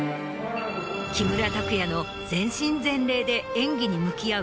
木村拓哉の全身全霊で演技に向き合う